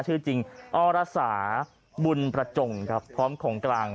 ชื่อจริงอรสาบุญประจงครับพร้อมของกลาง